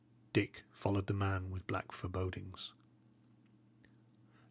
Dick followed the man with black forebodings.